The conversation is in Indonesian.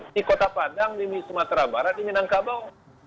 di kota padang di sumatera barat di minangkabau